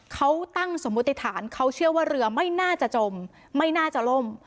เขาตั้งสมมุติฐานเขาเชื่อว่าเรือไม่น่าจะจมไม่น่าจะล่ม